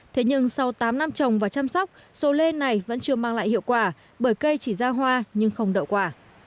thế nhưng sau tám năm trồng và chăm sóc số lên này vẫn chưa mang lại hiệu quả bởi cây chỉ ra hoa nhưng không đậu quả